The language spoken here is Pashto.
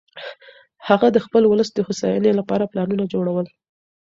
هغه د خپل ولس د هوساینې لپاره پلانونه جوړول.